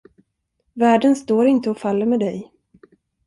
Världen står inte och faller med dig.